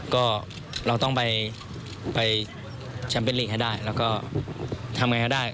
ก็เราต้องไปแชมป์เป็นลีกให้ได้แล้วก็ทำไงก็ได้